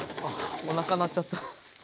あおなか鳴っちゃった。